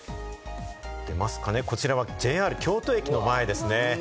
こちらはＪＲ京都駅の前ですね。